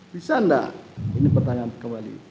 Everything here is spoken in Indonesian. bisa enggak ini pertanyaan kembali